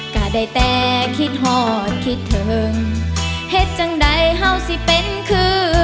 ก็ได้แต่คิดหอดคิดถึงเห็ดจังใดเห่าสิเป็นคือ